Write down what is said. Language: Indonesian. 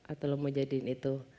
atau lo mau jadiin itu